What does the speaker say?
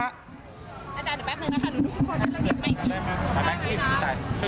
อาจารย์เดี๋ยวแปปนึงล่ะค่ะดูที่คนเครื่องเกียรติไม้ที่